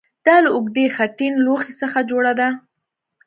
دا له اوږدې خټین لوښي څخه جوړه ده